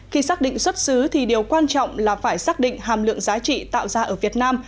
khi xác định xuất xứ thì điều quan trọng là phải xác định hàm lượng giá trị tạo ra ở việt nam